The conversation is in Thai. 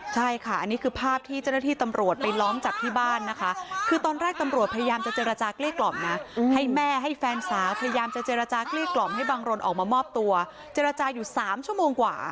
ใช่ค่ะอันนี้คือภาพที่เจ้าหน้าที่ตำรวจไปล้อมจับที่บ้านนะคะคือตอนแรกตำรวจพยายามจะเจรจาเกลี้กล่อมนะให้แม่ให้แฟนสาวพยายามจะเจรจากลี้กล่อมให้บังรนออกมามอบตัวเจรจาอยู่๓ชั่วโมงกว่า